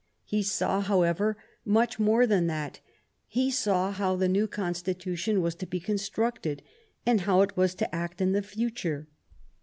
He saw, how 13 THE REIGN OF QUEEN ANNE ever, much more than that: he saw how the new con stitution was to be constructed and how it was to act in the future.